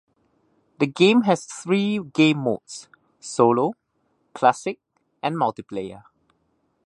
The game has three game modes, Solo, Classic and Multiplayer.